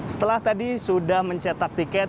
setelah tadi sudah mencetak tiket